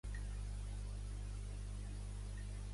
Càustic, somrient, home de país i de llibres, de cultura.